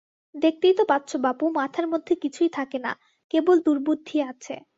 দেখতেই তো পাচ্ছ বাপু মাথার মধ্যে কিছুই থাকে না, কেবল দুর্বুদ্ধি আছে।